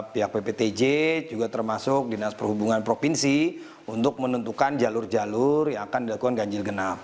pihak pptj juga termasuk dinas perhubungan provinsi untuk menentukan jalur jalur yang akan dilakukan ganjil genap